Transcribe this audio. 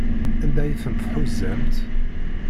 Anda ay ten-tḥuzamt?